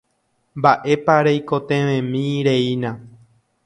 Mba'épa reikotevẽmireína